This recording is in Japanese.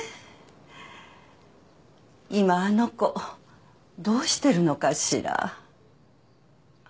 今あの子どうしてるのかしら。